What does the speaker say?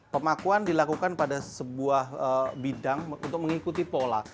pemakuan dilakukan pada sebuah bidang untuk mengikuti pola